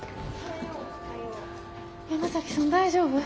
山崎さん大丈夫？